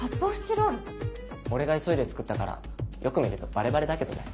俺が急いで作ったからよく見るとバレバレだけどね。